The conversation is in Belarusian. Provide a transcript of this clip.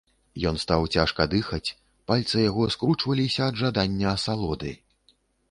Ён стаў цяжка дыхаць, пальцы яго скручваліся ад жадання асалоды.